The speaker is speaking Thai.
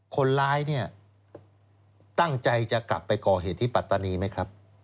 คนร้ายเนี่ยตั้งใจจะกลับไปก่อเหตุที่ปัตตานีไหมครับ